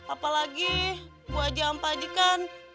apalagi bu aja ampa aji kan